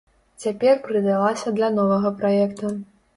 Цяпер прыдалася для новага праекта.